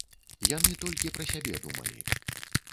Яны толькі пра сябе думалі!